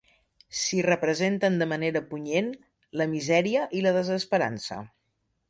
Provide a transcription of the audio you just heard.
S'hi representen de manera punyent la misèria i la desesperança.